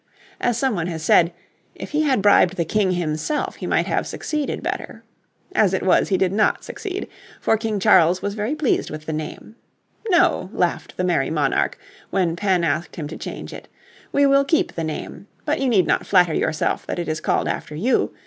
As some one has said, if he had bribed the King himself he might have succeeded better. As it was he did not succeed, for King Charles was very pleased with the name. "No," laughed the merry monarch, when Penn asked him to change it, "we will keep the name, but you need not flatter yourself that it is called after you.